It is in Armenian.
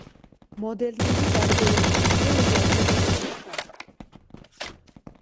Մոդելների տարբերությունները եղել են աննշան։